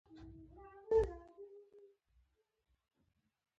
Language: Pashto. دغه کارونه دیني منشأ نه لري.